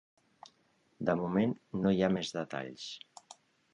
De moment no hi ha més detalls.